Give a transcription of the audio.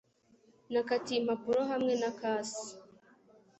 Nakatiye impapuro hamwe na kasi.